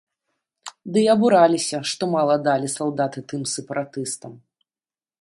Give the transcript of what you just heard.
Ды й абураліся, што мала далі салдаты тым сепаратыстам!